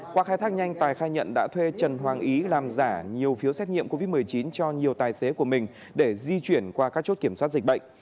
qua khai thác nhanh tài khai nhận đã thuê trần hoàng ý làm giả nhiều phiếu xét nghiệm covid một mươi chín cho nhiều tài xế của mình để di chuyển qua các chốt kiểm soát dịch bệnh